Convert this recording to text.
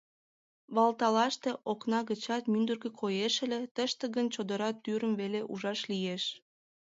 Валталаште окна гычат мӱндыркӧ коеш ыле, тыште гын чодыра тӱрым веле ужаш лиеш.